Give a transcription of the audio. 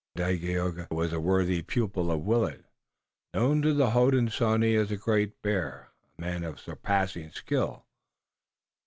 Dagaeoga was a worthy pupil of Willet, known to the Hodenosaunee as the Great Bear, a man of surpassing skill.